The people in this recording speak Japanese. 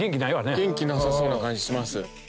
元気なさそうな感じします。